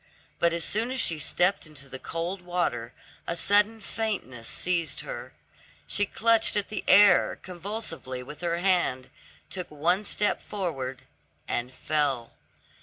But as soon as she stepped into the cold water, a sudden faintness seized her; she clutched at the air convulsively with her hand, took one step forward, and fell.